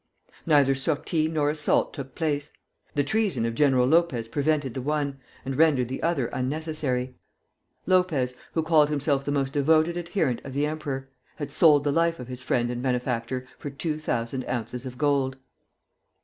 Neither sortie nor assault took place. The treason of General Lopez prevented the one, and rendered the other unnecessary. Lopez, whom Maximilian had loaded with all sorts of kindness, Lopez, who called himself the most devoted adherent of the emperor, had sold the life of his friend and benefactor for two thousand ounces of gold!